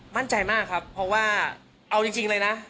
มั่นใจมากครับเพราะว่าเอาจริงเลยนะ